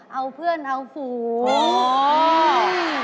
เอาเพื่อนเอาฝูง